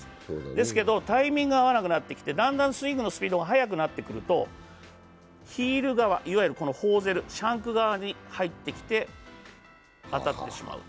ですけど、タイミングが合わなくなってきて、だんだんスイングのスピードが速くなってくるとヒール側、いわゆるシャンク側に入ってきて当たってしまう。